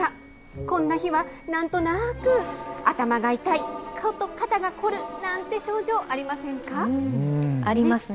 こんな日は、なんとなく頭が痛い、肩が凝る、なんて症状ありませんか？